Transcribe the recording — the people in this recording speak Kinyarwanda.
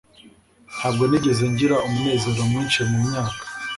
ntabwo nigeze ngira umunezero mwinshi mumyaka